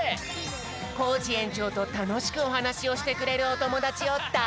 コージえんちょうとたのしくおはなしをしてくれるおともだちをだ